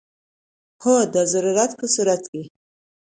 هو، د ضرورت په صورت کې